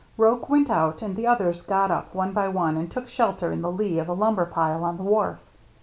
Roche went out, and the others got up one 24 THE MERRT ANNE by one and took shelter in the lee of a lumber pile on the wharf.